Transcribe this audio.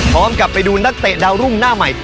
กลับไปดูนักเตะดาวรุ่งหน้าใหม่